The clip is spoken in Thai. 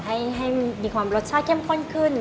ให้มีความรสชาติเข้มข้นขึ้น